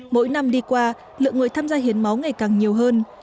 mỗi năm đi qua lượng người tham gia hiến máu ngày càng nhiều hơn